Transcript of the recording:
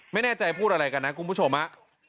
ไม่แน่ใจพูดอะไรกันนะคุณผู้ชม